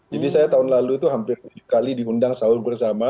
jadi saya tahun lalu itu hampir tujuh kali diundang sahur bersama